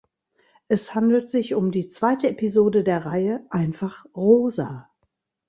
Es handelt sich um die zweite Episode der Reihe "Einfach Rosa".